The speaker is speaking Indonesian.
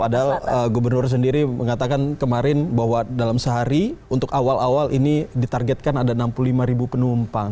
padahal gubernur sendiri mengatakan kemarin bahwa dalam sehari untuk awal awal ini ditargetkan ada enam puluh lima ribu penumpang